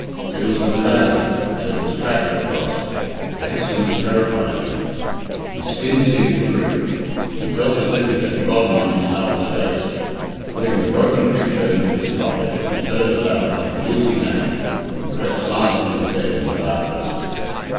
It was the medallion, and it was cracked across. The accident terrified him. His skin seemed to creep. He felt as if he had trodden on his father's face. Putting the broken picture into his pocket, he turned about like a guilty man and crept silently to bed in the darkness.